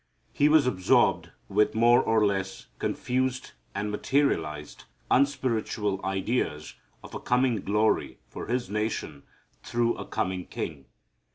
He was absorbed with more or less confused and materialized, unspiritual ideas of a coming glory for his nation through a coming king.